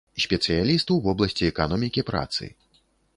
Спецыяліст у вобласці эканомікі працы.